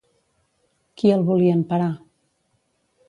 Qui el volien parar?